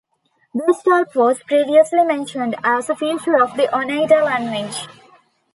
This type was previously mentioned as a feature of the Oneida language.